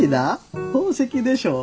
宝石でしょ。